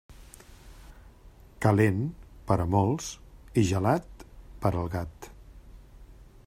Calent, per a molts, i gelat, per al gat.